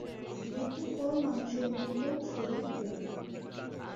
মৃত্যুর পর মানুষের নূতন শরীর হইবে।